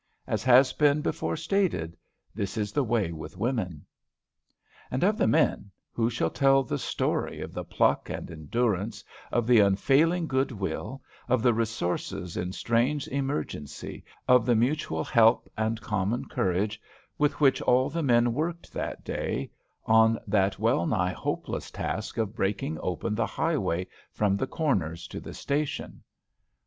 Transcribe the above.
As has been before stated, this is the way with women. And of the men, who shall tell the story of the pluck and endurance, of the unfailing good will, of the resource in strange emergency, of the mutual help and common courage with which all the men worked that day on that well nigh hopeless task of breaking open the highway from the Corners to the station?